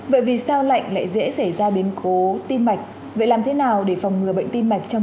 vậy vì sao lạnh lại dễ xảy ra biến cố tim mạch vậy làm thế nào để phòng ngừa bệnh tim mạch trong